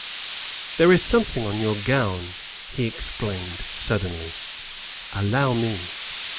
" There is something on your gown," he exclaimed suddenly, '' allow me.